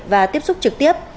và tiếp xúc trực tiếp